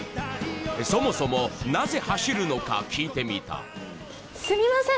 そもそもなぜ走るのか聞いてみたすみません